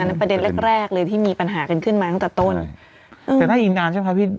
ประเด็นแรกแรกเลยที่มีปัญหากันขึ้นมาตั้งแต่ต้นแต่น่ากินนานใช่ไหมคะพี่